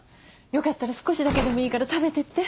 よかったら少しだけでもいいから食べてって。